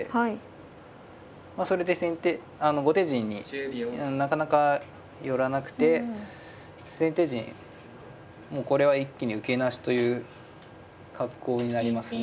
それで後手陣になかなか寄らなくて先手陣もうこれは一気に受けなしという格好になりますね。